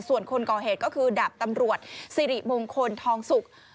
ส่วนคนก่อเหตุก็คือดาบตำรวจสิริมงคลทองสุก